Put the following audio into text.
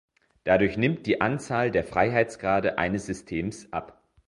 Dadurch nimmt die Anzahl der Freiheitsgrade eines Systems ab.